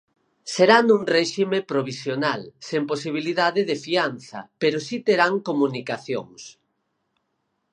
Será nun réxime provisional, sen posibilidade de fianza pero si terán comunicacións.